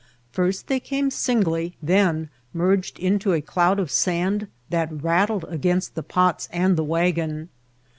First they came singly, then merged into a cloud of sand that rattled against the pots and the wagon.